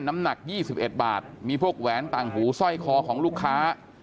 น้ำหนัก๒๑บาทมีพวกแหวนต่างหูสร้อยคอของลูกค้า